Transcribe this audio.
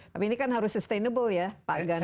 tapi ini kan harus sustainable ya pak ganda